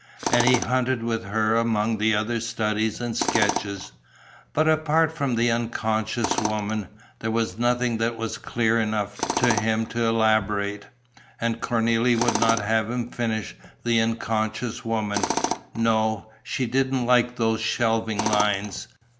And he hunted with her among the other studies and sketches. But, apart from the unconscious woman, there was nothing that was clear enough to him to elaborate. And Cornélie would not have him finish the unconscious woman: no, she didn't like those shelving lines....